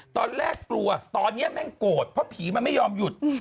ตอนแรกกลัวตอนนี้แม่งโกรธเพราะผีมันไม่ยอมหยุด